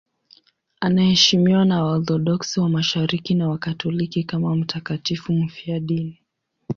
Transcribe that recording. Anaheshimiwa na Waorthodoksi wa Mashariki na Wakatoliki kama mtakatifu mfiadini.